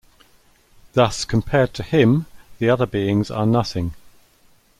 Thus compared to him the other beings are nothing.